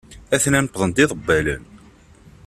Atnan wwḍen-d yiḍebbalen.